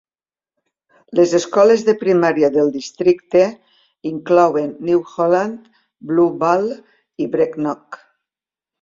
Les escoles de primària del districte inclouen: New Holland, Blue Ball i Brecknock.